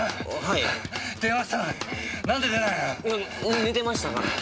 いや寝てましたから。